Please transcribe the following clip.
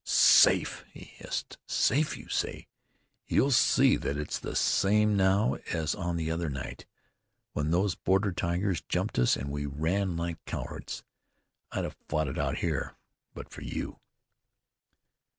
"Safe?" he hissed. "Safe you say? You'll see that it's the same now as on the other night, when those border tigers jumped us and we ran like cowards. I'd have fought it out here, but for you."